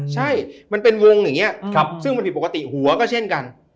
ใช่มันเป็นวงอย่างนี้ซึ่งมันผิดปกติหัวก็เช่นกัน